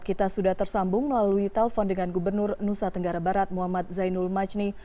kita sudah tersambung melalui telepon dengan gubernur nusa tenggara barat muhammad zainul majni